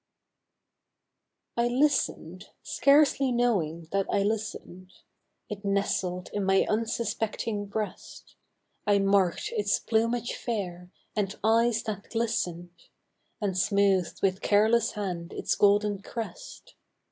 I LISTENED, scarcely knowing that I listened, It nestled in my unsuspecting breast, I mark'd its plumage fair, and eyes that glisten'd, And smoothed with careless hand its golden crest.